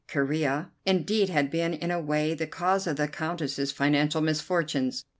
Corea, indeed, had been in a way the cause of the Countess's financial misfortunes.